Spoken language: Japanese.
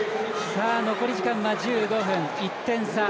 残り時間は１５分、１点差。